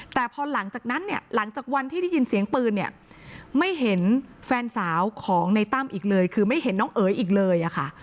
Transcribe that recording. แต่พอหลังจากนั้นเนี่ยหลังจากวันที่ได้ยินเสียงปืนเนี่ยไม่เห็นแฟนสาวของในตั้มอีกเลยคือไม่เห็นน้องเอ๋ยอีกเลยอะค่ะ